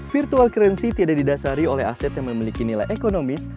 virtual currency tidak didasari oleh aset yang memiliki nilai ekonomis